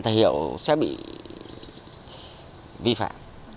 thời hạn thời hiệu sẽ bị vi phạm